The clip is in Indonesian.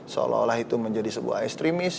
seolah olah itu menjadi sebuah ekstremis